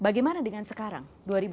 bagaimana dengan sekarang dua ribu dua puluh